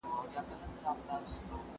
شیان د خپلو نومونو په واسطه پیژندل کیږي.